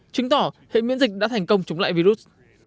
chứng tỏ hệ miễn dịch đã thành công chống lại virus